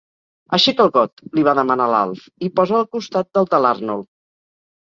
Aixeca el got —li va demanar l'Alf—, i posa'l al costat del de l'Arnold.